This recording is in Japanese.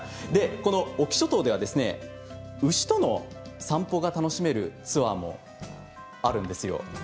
この隠岐諸島は牛との散歩が楽しめるツアーもあるんです。